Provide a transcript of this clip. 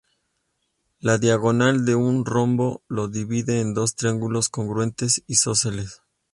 La diagonal de un rombo lo divide en dos triángulos congruentes isósceles.